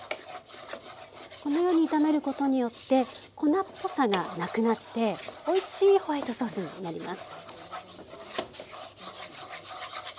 このように炒めることによって粉っぽさがなくなっておいしいホワイトソースになります。